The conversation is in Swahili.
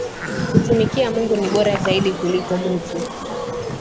Kutumikia Mungu ni bora zaidi kuliko mutu